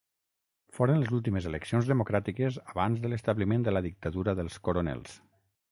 Foren les últimes eleccions democràtiques abans de l'establiment de la dictadura dels coronels.